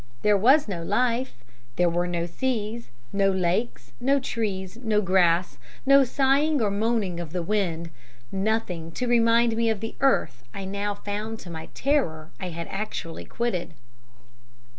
There was no life. There were no seas, no lakes, no trees, no grass, no sighing nor moaning of the wind, nothing to remind me of the earth I now found to my terror I had actually quitted.